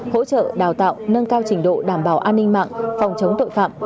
hỗ trợ đào tạo nâng cao trình độ đảm bảo an ninh mạng phòng chống tội phạm